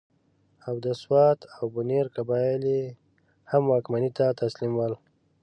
او د سوات او بنیر قبایل یې هم واکمنۍ ته تسلیم ول.